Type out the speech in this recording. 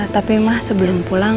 tapi ma sebelum pulang